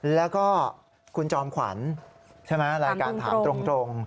แล้วก็คุณจอมขวัญรายการถามตรง